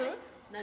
何？